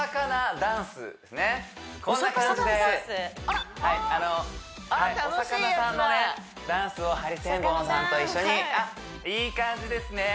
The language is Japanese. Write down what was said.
ダンスをハリセンボンさんと一緒にあっいい感じですね